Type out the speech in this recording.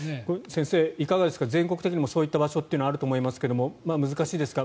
先生、いかがですか全国的にもそういった場所はあると思いますが難しいですか？